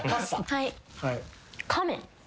はい。